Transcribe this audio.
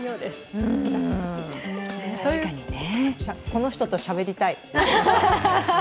この人としゃべりたい。